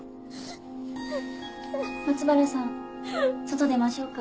松原さん外出ましょうか。